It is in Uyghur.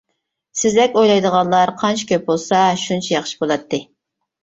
سىزدەك ئويلايدىغانلار قانچە كۆپ بولسا، شۇنچە ياخشى بولاتتى.